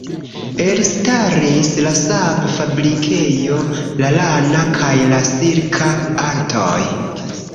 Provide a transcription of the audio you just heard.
Elstaris la sap-fabrikejo, la lana kaj la silka artoj.